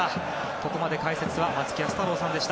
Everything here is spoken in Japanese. ここまで解説は松木安太郎さんでした。